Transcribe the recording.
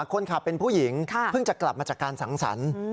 คนขับเป็นผู้หญิงเพิ่งจะกลับมาจากการสังสรรค์